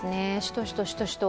しとしと